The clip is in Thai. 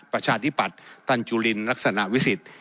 ประชาธิปัชฯตันจุลินรัสนวิสิทธิ์